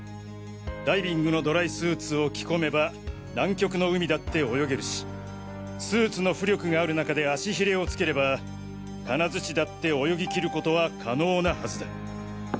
ダイビングのドライスーツを着込めば南極の海だって泳げるしスーツの浮力がある中で足ひれをつければかなづちだって泳ぎ切ることは可能なはずだ。